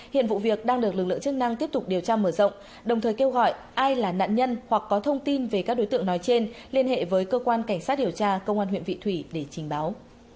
hiện vụ việc đang được lực lượng chức năng tiếp tục điều tra mở rộng đồng thời kêu gọi ai là nạn nhân hoặc có thông tin về các đối tượng nói trên liên hệ với cơ quan cảnh sát điều tra công an huyện vị thủy để trình báo